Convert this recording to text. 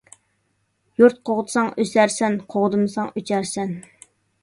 يۇرت قوغدىساڭ ئۆسەرسەن . قوغدىمىساڭ ئۆچەرسەن.